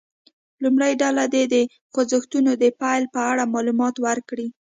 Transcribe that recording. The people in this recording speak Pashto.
لومړۍ ډله دې د خوځښتونو د پیل په اړه معلومات ورکړي.